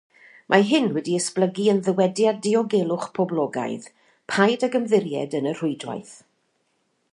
Mae hyn wedi esblygu yn ddywediad diogelwch poblogaidd, Paid ag ymddiried yn y rhwydwaith.